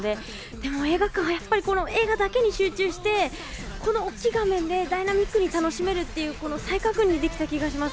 でも映画館はやっぱり、この映画だけに集中して、この大きい画面でダイナミックに楽しめるっていう、再確認できた気がします。